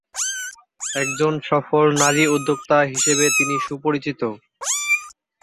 একজন সফল নারী উদ্যোক্তা হিসেবে তিনি সুপরিচিত।